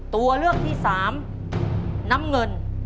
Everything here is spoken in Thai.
ตัวเลือกที่สามน้ำเงิน